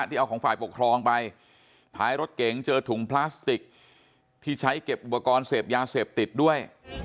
ที่เอาของฝ่ายปกครองไปท้ายรถเก๋งเจอถุงพลาสติกที่ใช้เก็บอุปกรณ์เสพยาเสพติดด้วย